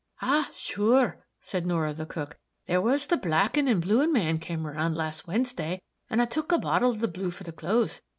"Ah, sure!" said Norah, the cook, "there was the blackin' and bluin' man come around last Wednesday, and I tuk a bottle of the blue for the clothes.